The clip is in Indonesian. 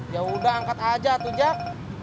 ya udah angkat aja atu jack